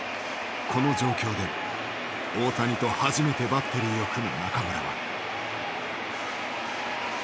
この状況で大谷と初めてバッテリーを組む中村は。